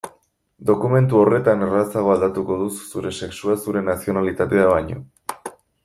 Dokumentu horretan errazago aldatuko duzu zure sexua zure nazionalitatea baino.